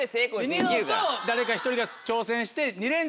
ニノと誰か１人が挑戦して。